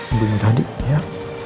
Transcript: ibu ibu tadi ya